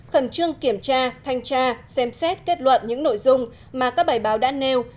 khẩn trương kiểm tra thanh tra xem xét kết luận những nội dung mà các bài báo đã nêu